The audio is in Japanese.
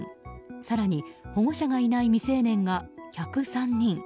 更に、保護者がいない未成年が１０３人。